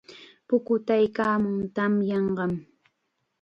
Pukutaykaamun, tamyanqam.